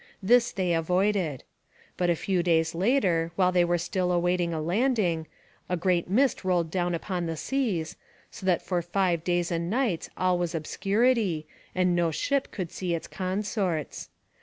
This they avoided. But a few days later, while they were still awaiting a landing, a great mist rolled down upon the seas, so that for five days and nights all was obscurity and no ship could see its consorts.